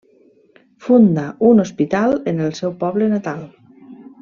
Funda un hospital en el seu poble natal.